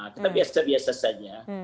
kita biasa biasa saja